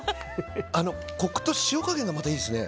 コクと塩加減がまたいいですね。